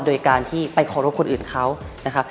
โดยการที่ไปเคารพคนอื่นเขานะครับ